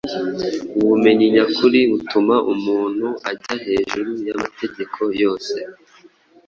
ubumenyi nyakuri butuma umuntu ajya hejuru y’amategeko yose